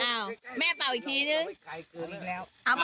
อ้าวแม่เป่าอีกทีนึงอีกแล้วเอ้าป่ะ